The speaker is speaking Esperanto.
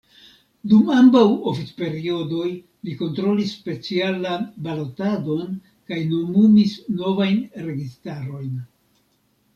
Dum ambaŭ oficperiodoj li kontrolis specialan balotadon kaj nomumis novajn registarojn.